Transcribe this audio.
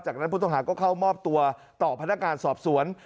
จากนั้นผู้ต้องหาก็เข้ามอบตัวต่อพนักงานสอบสวน